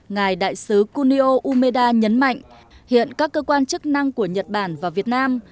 ngài đại sứ kunio umeda nhấn mạnh hiện các cơ quan chức năng của nhật bản và việt nam